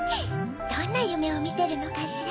どんなゆめをみてるのかしら。